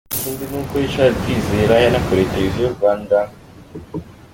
Ikindi ni uko Richard Kwizera yanakoreye Televiziyo y'u Rwanda.